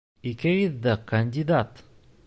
Икегеҙ ҙә... кандидат!